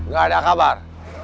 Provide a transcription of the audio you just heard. gak ada kabar